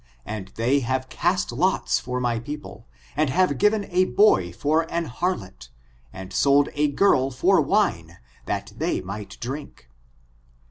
And they have cast lots for my people, and have given a boy for an harlot^ and sold a girl for wiiiey that they might drink.